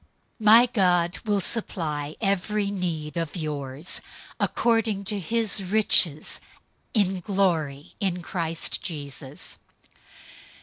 004:019 My God will supply every need of yours according to his riches in glory in Christ Jesus.